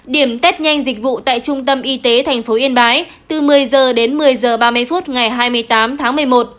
điểm tết nhanh dịch vụ tại trung tâm y tế tp yên bái từ một mươi h đến một mươi h ba mươi phút ngày hai mươi tám tháng một mươi một